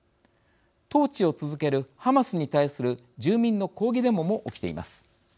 統治を続けるハマスに対する住民の抗議デモも起きています。